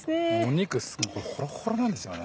肉ホロッホロなんですよね。